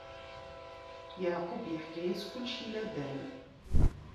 Yeɛqub iḥka-yas kullec i Laban.